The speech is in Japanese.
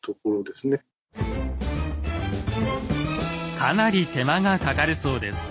かなり手間がかかるそうです。